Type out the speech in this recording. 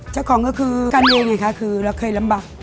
เจ้าของก็คือการเลี่ยงเราเคยลำบัด